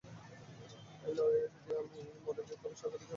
এই লড়াইয়ে যদি আমি মরে যাই, তবে স্বর্গ থেকে আপনাদের দেখেই খুশি থাকব।